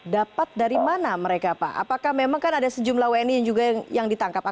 dapat dari mana mereka pak apakah memang kan ada sejumlah wni yang juga yang ditangkap